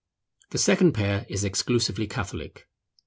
The second pair is exclusively Catholic.